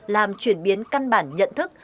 làm chuyển biến căn bản nhận thức